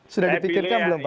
sudah dipikirkan belum pak